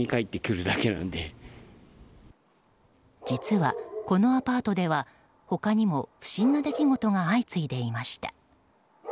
実は、このアパートでは他にも不審な出来事が相次いでいました。